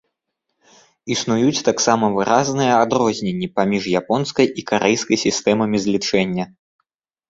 Існуюць таксама выразныя адрозненні паміж японскай і карэйскай сістэмамі злічэння.